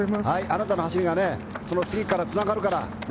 新たな走りがその次からつながるから。